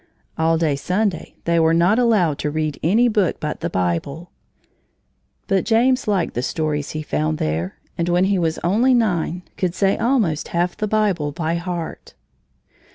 All day Sunday they were not allowed to read any book but the Bible. But James liked the stories he found there, and when he was only nine could say almost half the Bible by heart.